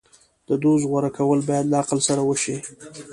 د دوست غوره کول باید له عقل سره وشي.